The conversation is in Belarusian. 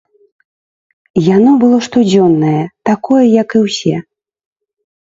Яно было штодзённае, такое, як і ўсе.